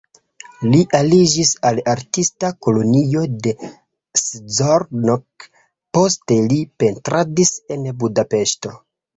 Li aliĝis al artista kolonio de Szolnok, poste li pentradis en Budapeŝto.